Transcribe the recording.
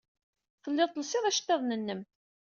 Tellid telsid iceḍḍiḍen-nnem.